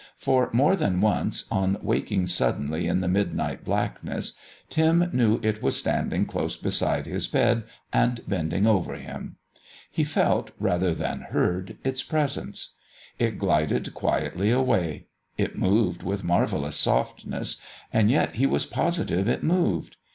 For, more than once, on waking suddenly in the midnight blackness, Tim knew it was standing close beside his bed and bending over him. He felt, rather than heard, its presence. It glided quietly away. It moved with marvellous softness, yet he was positive it moved.